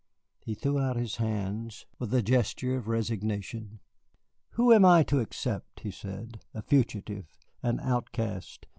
He threw out his hands with a gesture of resignation. "Who am I to accept?" he said, "a fugitive, an outcast.